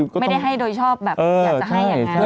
ไม่ได้ให้โดยชอบแบบอยากจะให้อย่างนั้น